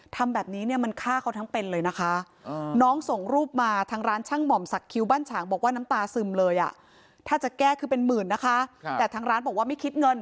ถ้าจะแก้คือเป็นหมื่นนะคะแต่ทางร้านบอกว่าไม่คิดเงิน